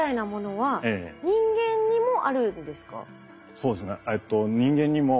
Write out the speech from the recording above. そうですね